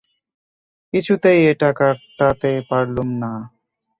কিছুতেই এটা কাটাতে পারলুম না।